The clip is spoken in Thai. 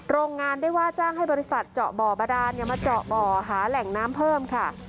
โรงงานได้ว่าจ้างให้บริษัทเจาะบ่อบาดานมาเจาะบ่อหาแหล่งน้ำเพิ่มค่ะ